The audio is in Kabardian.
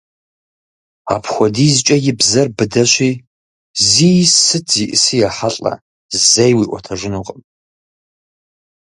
Апхуэдизкӏэ и бзэр быдэщи, зи сыт зиӏыси ехьэлӏэ, зэи уиӏуэтэжынукъым.